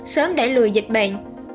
sớm để lùi dịch bệnh